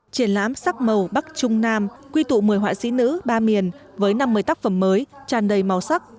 triển lãm sắc màu bắc trung nam quy tụ một mươi họa sĩ nữ ba miền với năm mươi tác phẩm mới tràn đầy màu sắc